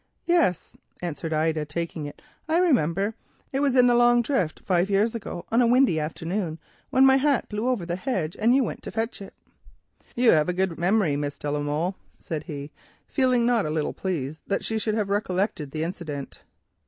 "Yes," answered Ida, taking it, "I remember. It was in the long drift, five years ago, on a windy afternoon, when my hat blew over the hedge and you went to fetch it." "You have a good memory, Miss de la Molle," said he, feeling not a little pleased that she should have recollected the incident.